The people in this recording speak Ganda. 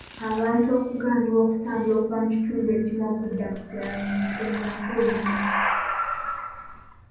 Abantu okugaanibwa okutambula okuva mu kitundu ekimu okudda mu kirala ensonga nkulu nnyo